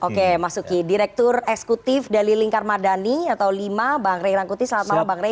oke mas uki direktur eksekutif dalilingkarmadani atau lima bang rey rangkuti selamat malam bang rey